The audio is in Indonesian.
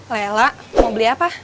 lela mau beli apa